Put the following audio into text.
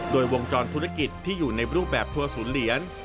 โดยวงจรธุรกิจที่อยู่ในรูปแบบทัวร์ศูนย์เหรียญ